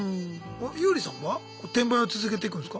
ユーリさんは転売は続けていくんですか？